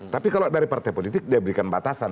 tapi kalau dari partai politik dia berikan batasan